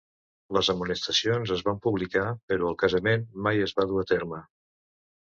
Les amonestacions es van publicar però el casament mai es va dur a terme.